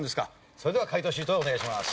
それでは解答シートへお願いします。